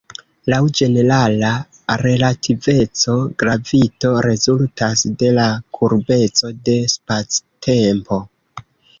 Laŭ ĝenerala relativeco, gravito rezultas de la kurbeco de spactempo.